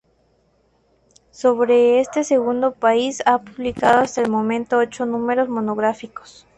Sobre este segundo país ha publicado hasta el momento ocho números monográficos.